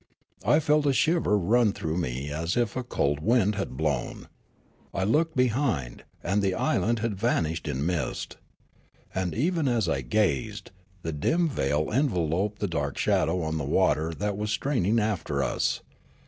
I felt a shiver run through me as if a cold wind had blown. I looked behind, and the island had vanished in mist. And even as I gazed, the dim veil enveloped the dark shadow on the water that was straining after us.